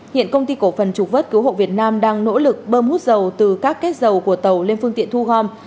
hiện công ty cổ phần trục vớt cứu hộ việt nam đang nỗ lực bơm hút dầu từ các kết dầu của tàu lên phương tiện thu gom